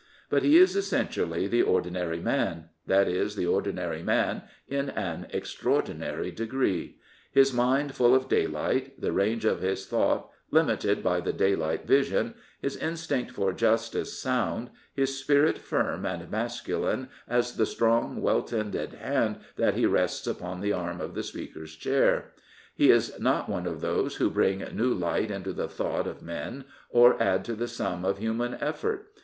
But he is essentially the ordinary man — that is,/ the ordinary man in an extraordinary degree^ his mind full of daylight, the range of his thought limited by the daylight vision, his instinct for justice sound, his spirit firm and masculine as the strong, well tended hand that he ' rests upon the arm of the Speaker's chair. He is not one of those who bring new light into the thought of men or add to the sum of human effort.